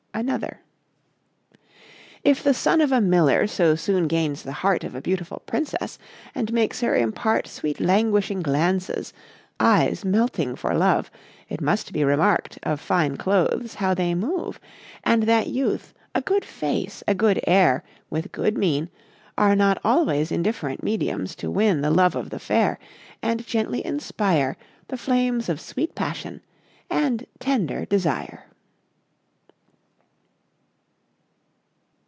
_ Another _If the son of a miller so soon gains the heart Of a beautiful princess, and makes her impart Sweet languishing glances, eyes melting for love, It must be remark'd of fine clothes how they move, And that youth, a good face, a good air, with good mien, Are not always indifferent mediums to win The love of the fair, and gently inspire The flames of sweet passion, and tender desire.